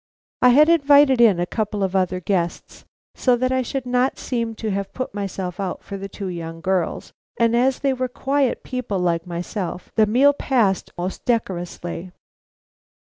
I had invited in a couple of other guests so that I should not seem to have put myself out for two young girls, and as they were quiet people like myself, the meal passed most decorously.